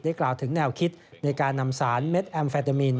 กล่าวถึงแนวคิดในการนำสารเม็ดแอมเฟตามิน